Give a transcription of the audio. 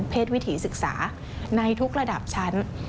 วิถีศึกษาในทุกระดับชั้น